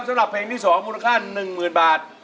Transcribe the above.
สำหรับเพลงที่๒มูลค่า๑๐๐๐บาท